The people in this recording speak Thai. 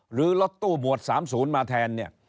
หรือรถตู้หมวด๓๐มาแทน